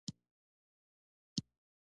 ترکیه او پاکستان سره نښلوي.